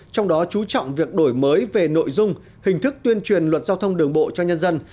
trong đó chú trọng việc đổi mới về nội dung hình thức tuyên truyền luật giao thông đường bộ cho nhân dân